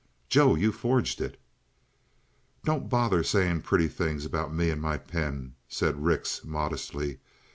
"Joe, you forged it?" "Don't bother sayin' pretty things about me and my pen," said Rix modestly.